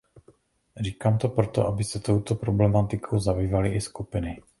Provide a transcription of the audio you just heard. Říkám to proto, aby se touto problematikou zabývaly i skupiny.